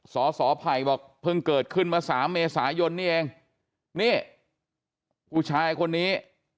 สสไผ่บอกเพิ่งเกิดขึ้นมาสามเมษายนนี่เองนี่ผู้ชายคนนี้